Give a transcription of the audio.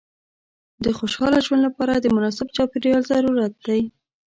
د خوشحاله ژوند لپاره د مناسب چاپېریال ضرورت دی.